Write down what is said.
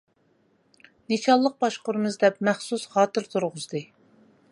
نىشانلىق باشقۇرىمىز دەپ مەخسۇس خاتىرە تۇرغۇزدى.